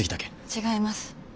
違います。